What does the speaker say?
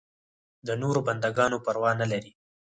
د نورو بنده ګانو پروا نه لري.